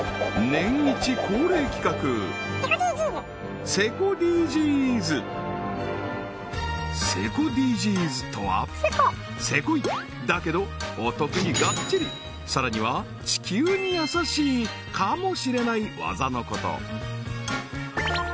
年イチ恒例企画セコＤＧｓとはセコいだけどお得にがっちりさらには地球にやさしいかもしれない技のこと